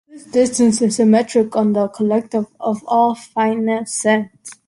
This distance is a metric on the collection of all finite sets.